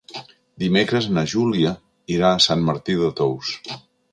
Dimecres na Júlia irà a Sant Martí de Tous.